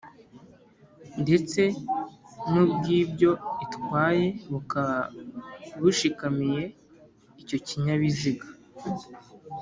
ndetse n'ubw'ibyo itwaye bukaba bushikamiye icyo kinyabiziga